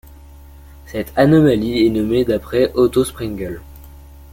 Cette anomalie est nommée d'après Otto Sprengel.